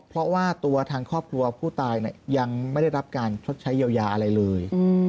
เพราะว่าตัวทางครอบครัวผู้ตายยังไม่ได้รับการชดใช้เยียวยาอะไรเลย